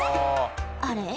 あれ？